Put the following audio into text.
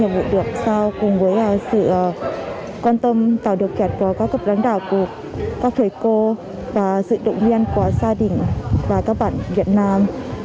vụ được sao cùng với sự quan tâm tạo được kẹt của các cấp đáng đảo của các thầy cô và sự động viên của gia đình và các bạn việt nam